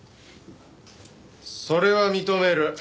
それは認める。